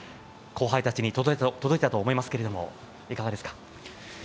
後輩たちに届いたと思いますけれどもいかがですか？